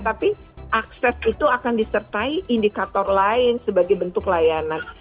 tapi akses itu akan disertai indikator lain sebagai bentuk layanan